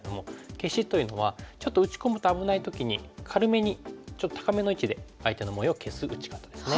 消しというのはちょっと打ち込むと危ない時に軽めにちょっと高めの位置で相手の模様を消す打ち方ですね。